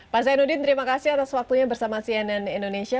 pak zainuddin terima kasih atas waktunya bersama cnn indonesia